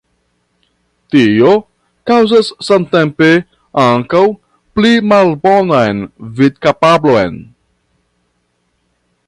Tio kaŭzas samtempe ankaŭ pli malbonan vidkapablon.